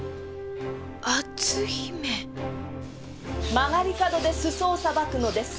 曲がり角で裾をさばくのです。